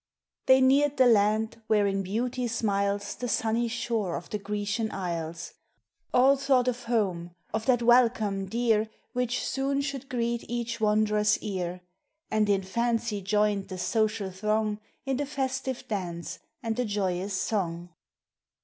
They neared the land where in beauty smiles The sunny shore of the Grecian Isles; All thought of home, of that welcome dear Which soon should greet each wanderers ear; And in fancy joined the social throng In the festive dame and the joyous song.